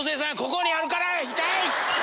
ここにあるから痛い！